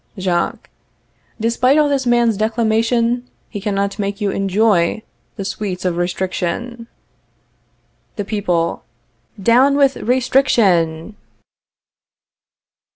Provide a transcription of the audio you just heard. Jacques. Despite all this man's declamation, he cannot make you enjoy the sweets of restriction. The People. Down with RESTRICTION!